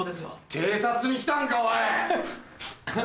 偵察に来たんかおい！